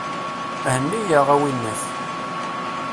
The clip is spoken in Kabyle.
Henni-yaɣ, a winnat!